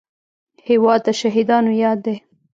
هېواد د شهیدانو یاد دی.